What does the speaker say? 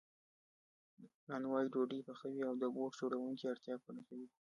نانوای ډوډۍ پخوي او د بوټ جوړونکي اړتیا پوره کوي